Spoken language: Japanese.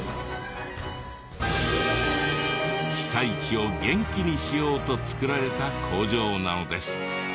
被災地を元気にしようと造られた工場なのです。